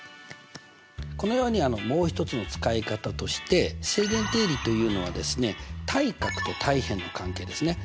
このようにもう一つの使い方として正弦定理というのはですね対角と対辺の関係ですね。